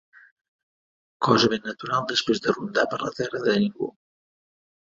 Cosa ben natural després de rondar per la terra de ningú